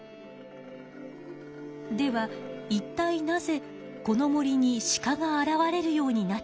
ではいったいなぜこの森にシカが現れるようになったのか？